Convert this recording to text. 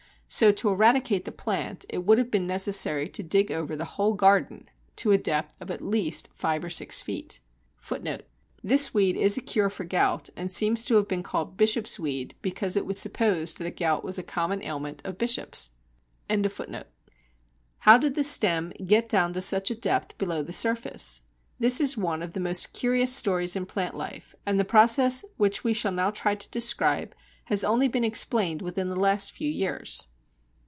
So to eradicate the plant it would have been necessary to dig over the whole garden to a depth of at least five or six feet. This weed is a cure for gout, and seems to have been called Bishopsweed because it was supposed that gout was a common ailment of bishops! How did the stem get down to such a depth below the surface? This is one of the most curious stories in plant life, and the process which we shall now try to describe has only been explained within the last few years.